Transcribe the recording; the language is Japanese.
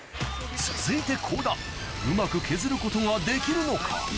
続いて倖田うまく削ることができるのか？